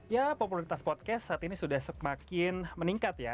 ya popularitas podcast saat ini sudah semakin meningkat ya